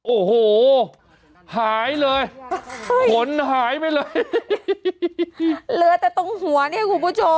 โอ้โหหายเลยขนหายไปเลยเหลือแต่ตรงหัวเนี่ยคุณผู้ชม